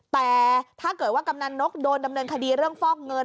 แต่ถ้าเกิดว่ากำนันนกโดนดำเนินคดีเรื่องฟอกเงิน